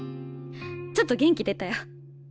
ちょっと元気出たよ。